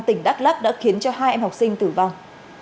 tỉnh đắk lắc đã khiến cho hai em học sinh tử vong